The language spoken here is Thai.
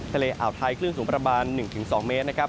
อ่าวไทยคลื่นสูงประมาณ๑๒เมตรนะครับ